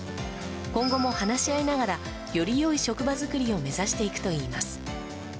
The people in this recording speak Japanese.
今後も話し合いながらより良い職場作りを目指していくといいます。